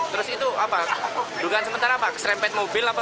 terus itu apa dugaan sementara pak keserempet mobil apa